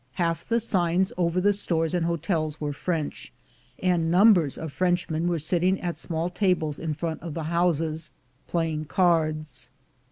Half the signs over the stores and hotels were French, and numbers of Frenchmen were sitting at small tables in front of the houses playing at cards.